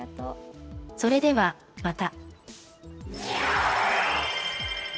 それではまた。